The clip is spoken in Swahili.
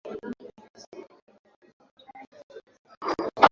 bi catherine ameongeza kuwa hakutakuwa na majadiliano mengine